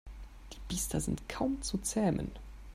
Die Biester sind kaum zu zähmen.